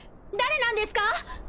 誰なんですか？